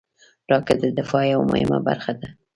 راکټ د دفاع یوه مهمه برخه ده